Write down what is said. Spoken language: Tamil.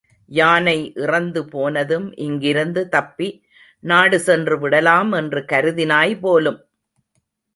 யானை இறந்து போனதும் இங்கிருந்து தப்பி நாடு சென்றுவிடலாம் என்று கருதினாய் போலும்!